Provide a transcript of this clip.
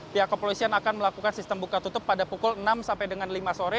pihak kepolisian akan melakukan sistem buka tutup pada pukul enam sampai dengan lima sore